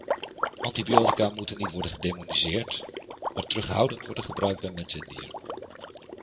Antibiotica moeten niet worden gedemoniseerd, maar terughoudend worden gebruikt bij mens en dier.